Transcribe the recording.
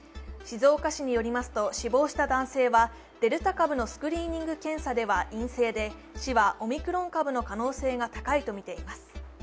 静岡市によりますと、死亡した男性はデルタ株のスクリーニング検査では陰性で、市はオミクロン株の可能性が高いとみています。